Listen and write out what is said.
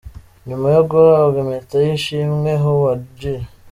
Nyuma yo guhabwa impeta y’ishimwe, Howard G.